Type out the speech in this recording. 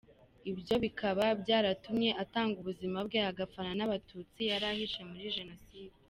Ibyo bikaba byaratumye atanga ubuzima bwe agapfana n’Abatutsi yari ahishe muri Jenoside.